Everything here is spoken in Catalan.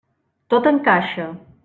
Tot encaixa.